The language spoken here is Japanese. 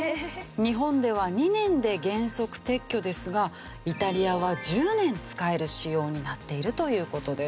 日本では２年で原則撤去ですがイタリアは１０年使える仕様になっているという事です。